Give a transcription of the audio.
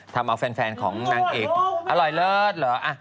ทำเอาแฟนของนางเอกอร่อยเลิศเหรอ